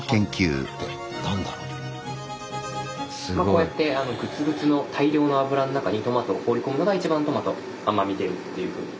こうやってグツグツの大量の油の中にトマトを放り込むのが一番トマト甘み出るっていうふうに。